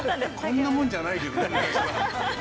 「こんなもんじゃないけどね昔は」